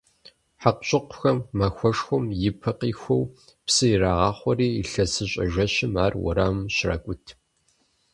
Хьэкъущыкъухэм махуэшхуэм и пэ къихуэу псы ирагъахъуэри, илъэсыщӀэ жэщым ар уэрамым щракӀут.